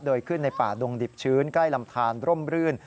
โดยขึ้นในป่าดงดิบชื้นใกล้ลำทานร่มรื่น